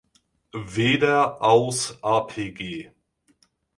Weder aus Apg.